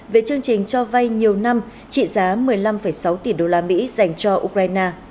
về chương trình cho vay nhiều năm trị giá một mươi năm sáu tỷ đô la mỹ dành cho ukraine